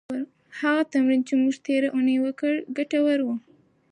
هغه تمرین چې موږ تېره اونۍ وکړه، ګټور و.